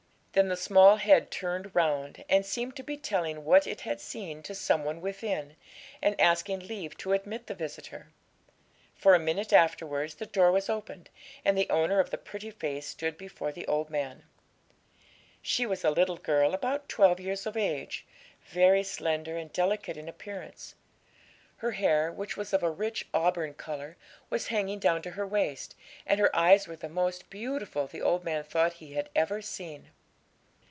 Then the small head turned round, and seemed to be telling what it had seen to some one within, and asking leave to admit the visitor; for a minute afterwards the door was opened, and the owner of the pretty face stood before the old man. She was a little girl about twelve years of age, very slender and delicate in appearance. Her hair, which was of a rich auburn colour, was hanging down to her waist, and her eyes were the most beautiful the old man thought he had ever seen.